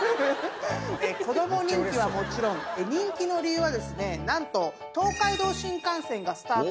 子供人気はもちろん人気の理由はですね何と東海道新幹線がスタートした